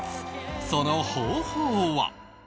その方法は